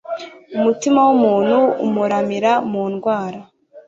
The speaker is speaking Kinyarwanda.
umutima w'umuntu umuramira mu ndwara